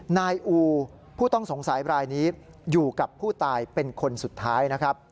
นายอูผู้ต้องสงสัยรายนี้อยู่กับผู้ตายเป็นคนสุดท้ายนะครับ